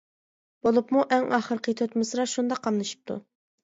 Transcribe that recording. بولۇپمۇ ئەڭ ئاخىرقى تۆت مىسرا شۇنداق قاملىشىپتۇ.